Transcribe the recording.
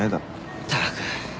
ったく。